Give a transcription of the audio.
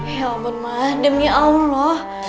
ya ampun mah demi allah